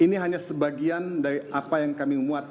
ini hanya sebagian dari apa yang kami muat